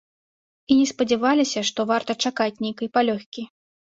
І не спадзяваліся, што варта чакаць нейкай палёгкі.